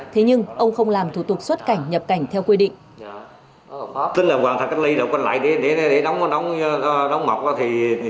thế nhưng ông không làm thủ tục xuất cảnh nhập cảnh theo quy định